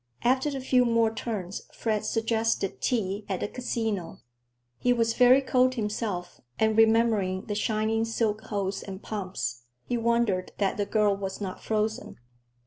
After a few more turns, Fred suggested tea at the Casino. He was very cold himself, and remembering the shining silk hose and pumps, he wondered that the girl was not frozen.